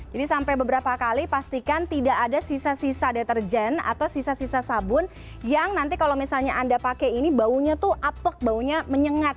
jadi sampai beberapa kali pastikan tidak ada sisa sisa deterjen atau sisa sisa sabun yang nanti kalau misalnya anda pakai ini baunya tuh apek baunya menyengat